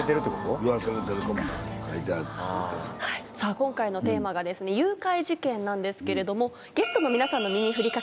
今回のテーマが誘拐事件なんですけれども。